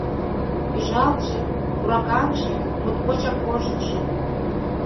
Пӱжалтше, пуракаҥше, моткочак вожылшо.